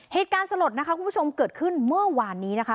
สลดนะคะคุณผู้ชมเกิดขึ้นเมื่อวานนี้นะคะ